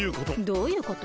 どういうこと？